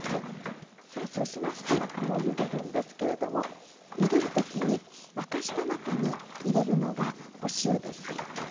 さあそうしましたらこれをゆでるんですけれどもゆでる時に沸かした中に入れるのがお塩です。